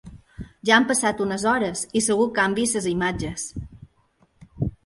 Ja han passat unes hores i segur que han vist les imatges.